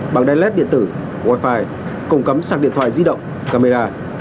bằng đai led điện tử wifi cổng cắm sạc điện thoại di động camera